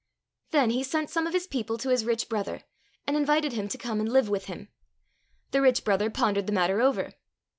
Then he sent some of his people to his rich brother, and invited him to come and live with him. The rich brother pondered the matter over.